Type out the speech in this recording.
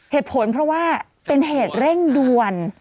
เหตุผลเพราะว่าเป็นเหตุเร่งด่วน